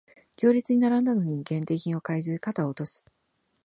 行列に並んだのに限定品を買えず肩を落とす